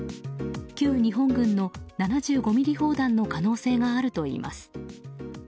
旧日本軍の７５ｍｍ砲弾の可能性があるといいます。